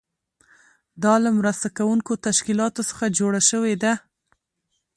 دا له مرسته کوونکو تشکیلاتو څخه جوړه شوې ده.